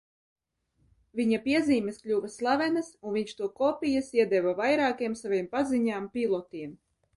Viņa piezīmes kļuva slavenas, un viņš to kopijas iedeva vairākiem saviem paziņām pilotiem.